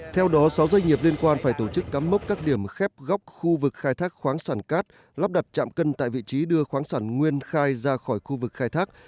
theo đó sáu doanh nghiệp liên quan phải tổ chức cắm mốc các điểm khép góc khu vực khai thác khoáng sản cát lắp đặt chạm cân tại vị trí đưa khoáng sản nguyên khai ra khỏi khu vực khai thác